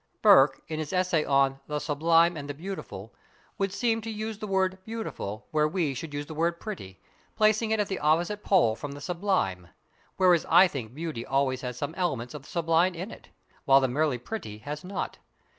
Burke in his essay on "The Sublime and the Beautiful" would seem to use the word beautiful where we should use the word pretty, placing it at the opposite pole from the sublime, whereas I think beauty always has some elements of the sublime in it, while the merely pretty has not.